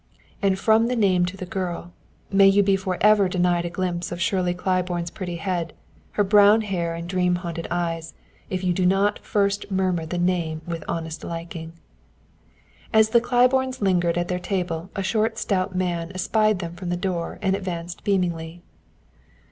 And from the name to the girl may you be forever denied a glimpse of Shirley Claiborne's pretty head, her brown hair and dream haunted eyes, if you do not first murmur the name with honest liking. As the Claibornes lingered at their table a short stout man espied them from the door and advanced beamingly.